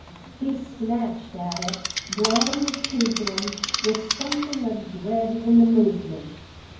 He snatched at it, drawing it to him with something of dread in the movement.